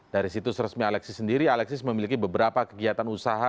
dari situs resmi alexis sendiri alexis memiliki beberapa kegiatan usaha